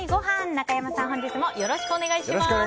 中山さん、本日もお願いします。